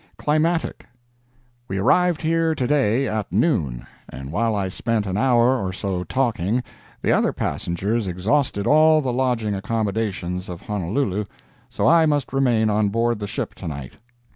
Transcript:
CLIMATIC We arrived here to day at noon, and while I spent an hour or so talking, the other passengers exhausted all the lodging accommodations of Honolulu. So I must remain on board the ship to night.